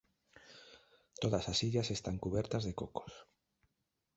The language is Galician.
Todas as illas están cubertas de cocos.